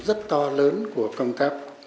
rất to lớn của công tác